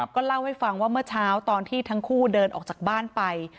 ก็เล่าให้ฟังว่าเมื่อเช้าตอนที่ทั้งคู่เดินออกจากบ้านไป